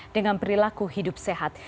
dengan perilaku hidup sehat